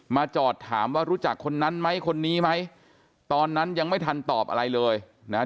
จอดถามว่ารู้จักคนนั้นไหมคนนี้ไหมตอนนั้นยังไม่ทันตอบอะไรเลยนะฮะ